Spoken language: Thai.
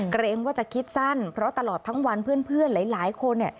เกรงว่าจะคิดสั้นเพราะตลอดทั้งวันเพื่อนหลายคน